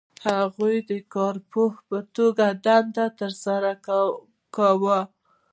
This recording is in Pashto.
هغه د کارپوه په توګه دنده ترسره کوي.